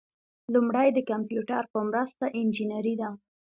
لومړی د کمپیوټر په مرسته انجنیری ده.